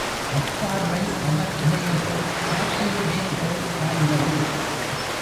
அப்பார்வை அவர் இதயத்தில் காய்ச்சிய வேல்போல் பாய்ந்தது.